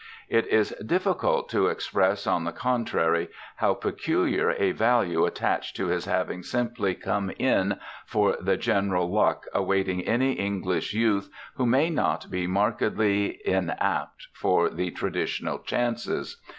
It is difficult to express on the contrary how peculiar a value attached to his having simply "come in" for the general luck awaiting any English youth who may not be markedly inapt for the traditional chances.